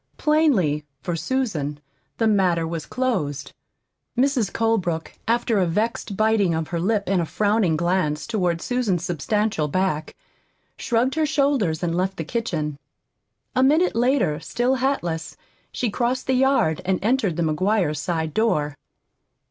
Plainly, for Susan, the matter was closed. Mrs. Colebrook, after a vexed biting of her lip and a frowning glance toward Susan's substantial back, shrugged her shoulders and left the kitchen. A minute later, still hatless, she crossed the yard and entered the McGuires' side door.